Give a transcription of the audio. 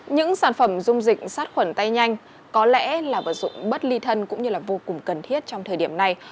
những sản phẩm dung dịch sát khuẩn tay nhanh có lẽ là vật dụng bất ly thân cũng như là vô cùng cần thiết trong thời điểm này